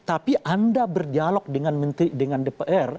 tapi anda berdialog dengan menteri dengan dpr